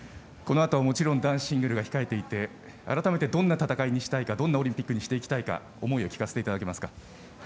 このあとももちろん男子シングルが控えていて改めてどんな戦いにしたいかどんなオリンピックにしたいか思いを聞かせていただけますか。